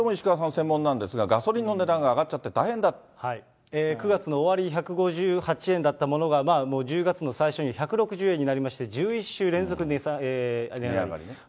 専門なんですが、ガソリンの値段が上がっちゃって９月の終りに１５８円だったものが、もう１０月の最初に１６０円になりまして、１１週連続値上がり。